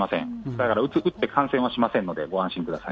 だから打って感染はしませんので、ご安心ください。